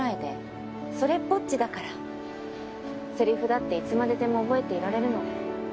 それっぽっちだから台詞だっていつまででも覚えていられるの。